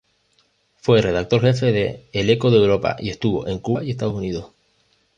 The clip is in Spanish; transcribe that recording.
Fue redactor-jefe de "El Eco de Europa" y estuvo en Cuba y Estados Unidos.